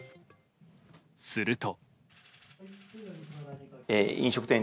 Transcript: すると。